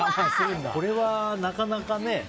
これはなかなかね。